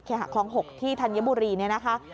เคหาคล้อง๖ที่ธัญบุรีนี่นะคะ